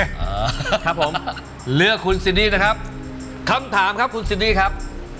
ครับผมเลือกคุณซินี่นะครับคำถามครับคุณซินี่ครับ